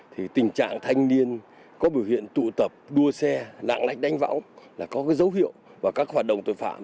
thì tình trạng thanh niên có biểu hiện tụ tập đua xe lạng lách đánh võng là có dấu hiệu và các hoạt động tội phạm